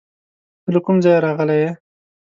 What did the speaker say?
ته له کوم ځایه راغلی یې؟